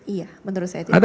iya menurut saya tidak